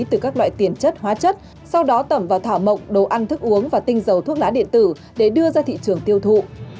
từ các loại tiền chất hóa chất sau đó tẩm vào thảo mộc đồ ăn thức uống và tinh dầu thuốc lá điện tử để đưa ra thị trường tiêu thụ